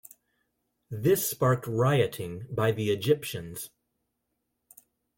This sparked rioting by the Egyptians.